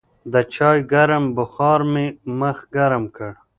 د چای ګرم بخار مې مخ ګرم کړ.